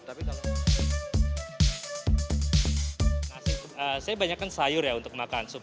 saya banyakkan sayur untuk makan